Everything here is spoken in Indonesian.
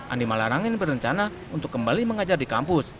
andi malarangin berencana untuk kembali mengajar di kampus